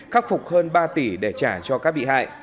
khắc phục hơn ba tỷ để trả cho các bị hại